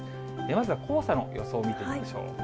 まずは黄砂の予想を見てみましょう。